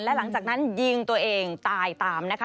และหลังจากนั้นยิงตัวเองตายตามนะคะ